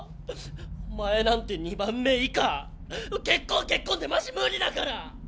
お前なんて二番目以下結婚結婚ってマジ無理だから！